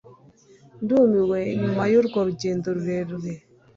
Ndumiwe nyuma yurwo rugendo rurerure